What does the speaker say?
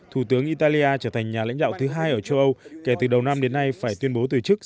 thủ tướng italia trở thành nhà lãnh đạo thứ hai ở châu âu kể từ đầu năm đến nay phải tuyên bố từ chức